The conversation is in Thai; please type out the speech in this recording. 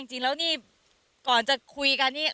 จริงแล้วนี่ก่อนจะคุยกันนี่